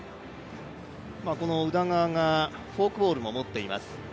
この宇田川がフォークボールも持っています。